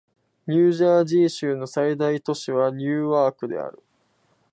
ニュージャージー州の最大都市はニューアークである